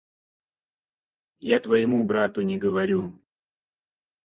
Я твоему брату не говорю.